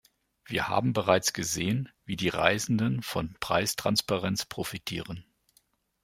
Wir haben bereits gesehen, wie die Reisenden von Preistransparenz profitieren.